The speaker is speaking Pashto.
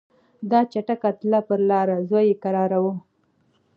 دا چټکه تله پر لار زوی یې کرار وو